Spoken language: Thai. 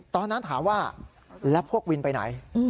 ตอนนั้นถามว่าแล้วพวกวินไปไหน